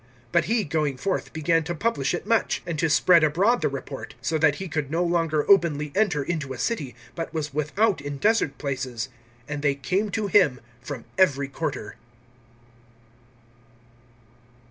(45)But he, going forth, began to publish it much, and to spread abroad the report; so that he could no longer openly enter into a city, but was without in desert places. And they came to him from every quarter.